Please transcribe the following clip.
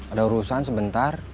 ada urusan sebentar